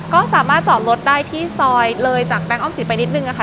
ก็สามารถจอดรถได้ที่ซอยเลยจากแบงค์อ้อมศิษไปนิดนึงค่ะ